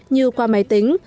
như qua máy tính